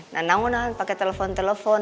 nah nangunan pake telfon telfon